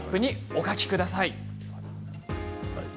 お書きください。